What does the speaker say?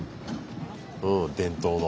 うん伝統の。